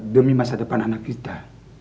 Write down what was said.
demi masa depan anak kita